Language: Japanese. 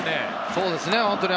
そうですね。